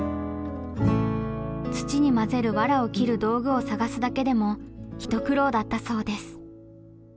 土にまぜるワラを切る道具を探すだけでも一苦労だったそうです。